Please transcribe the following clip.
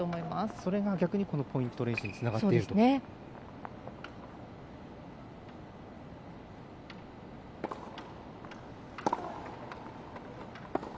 それが逆にこのポイント連取につながってくると。